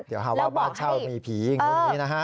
เดี๋ยวหาว่าบ้านเช่ามีผีอย่างนี้นะฮะ